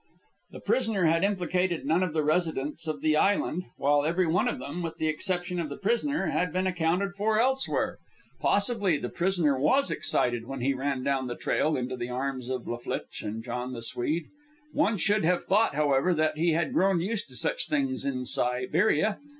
The prisoner had implicated none of the residents of the island, while every one of them, with the exception of the prisoner, had been accounted for elsewhere. Possibly the prisoner was excited when he ran down the trail into the arms of La Flitche and John the Swede. One should have thought, however, that he had grown used to such things in Siberia.